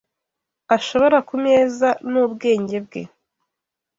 ashobora kumeza n'ubwenge bwe